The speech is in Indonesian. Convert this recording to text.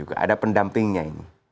ada pendampingnya ini